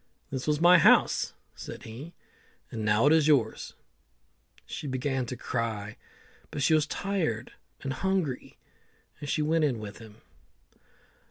"This was my house," said he, "and now it's yours." She began to cry, but she was tired and hungry, and she went in with him.